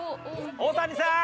大谷さん！